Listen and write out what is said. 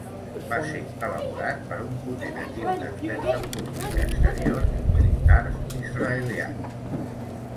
Va ser elaborat per un potent equip d'experts en política exterior i militars israelians.